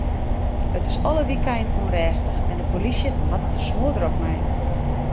It is alle wykeinen ûnrêstich en de polysje hat it der smoardrok mei.